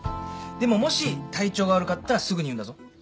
でももし体調が悪かったらすぐに言うんだぞ。